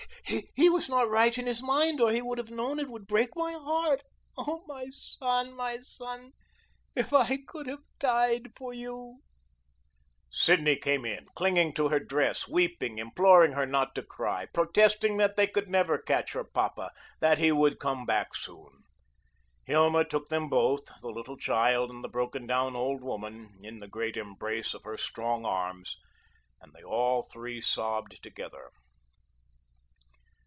He was not right in his mind or he would have known it would break my heart. Oh, my son, my son, if I could have died for you." Sidney came in, clinging to her dress, weeping, imploring her not to cry, protesting that they never could catch her papa, that he would come back soon. Hilma took them both, the little child and the broken down old woman, in the great embrace of her strong arms, and they all three sobbed together.